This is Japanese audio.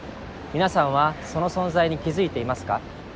皆さんはその存在に気付いていますか？